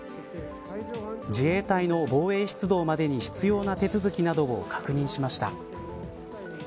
自衛隊の防衛出動までに必要な手続きなどを確認しました。